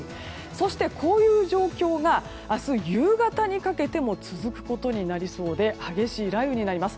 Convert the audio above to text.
そして、こういう状況が明日夕方にかけても続くことになりそうで激しい雷雨になります。